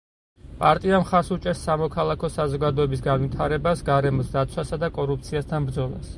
პარტია მხარს უჭერს სამოქალაქო საზოგადოების განვითარებას, გარემოს დაცვასა და კორუფციასთან ბრძოლას.